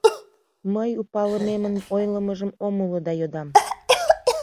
Мый у палымемым ойлымыжым ом умыло да йодам: